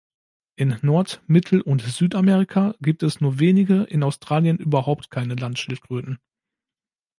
In Nord-, Mittel- und Südamerika gibt es nur wenige, in Australien überhaupt keine Landschildkröten.